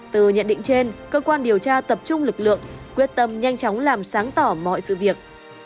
từ nhận định trên cơ quan điều tra tập trung lực lượng quyết tâm nhanh chóng làm sáng tỏ mọi sự việc